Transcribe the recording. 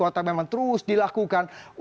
yang diperlukan oleh pemerintah jakarta